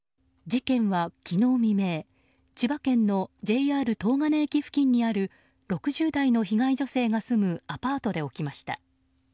事件は昨日未明千葉県のＪＲ東金駅付近にある６０代の被害女性が住むアパートで起きました。